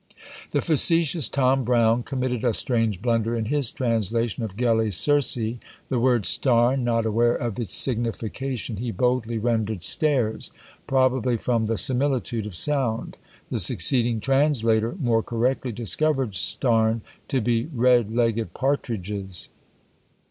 The facetious Tom Brown committed a strange blunder in his translation of Gelli's Circe. The word Starne, not aware of its signification, he boldly rendered stares, probably from the similitude of sound; the succeeding translator more correctly discovered Starne to be red legged partridges!